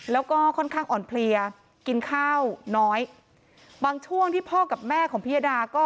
แล้วก็ค่อนข้างอ่อนเพลียกินข้าวน้อยบางช่วงที่พ่อกับแม่ของพิยดาก็